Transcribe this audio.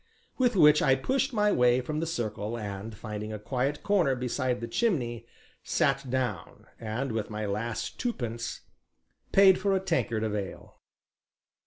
With which I pushed my way from the circle, and, finding a quiet corner beside the chimney, sat down, and with my last twopence paid for a tankard of ale.